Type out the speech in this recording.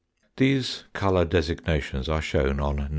These colour designations are shown on No.